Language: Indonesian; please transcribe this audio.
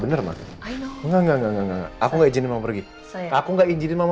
percaya sama mama ya